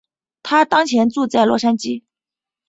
她当前住在洛杉矶。